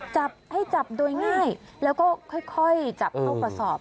จับให้จับโดยง่ายแล้วก็ค่อยจับเข้ากระสอบ